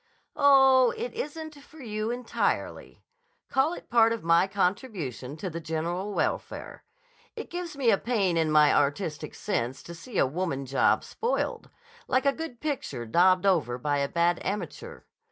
"Oh, it isn't for you entirely. Call it part of my contribution to the general welfare. It gives me a pain in my artistic sense to see a woman job spoiled; like a good picture daubed over by a bad amateur.